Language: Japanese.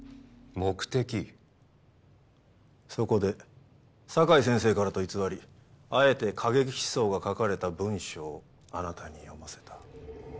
そこで酒井先生からと偽りあえて過激思想が書かれた文書をあなたに読ませた。